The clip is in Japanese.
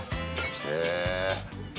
へえ。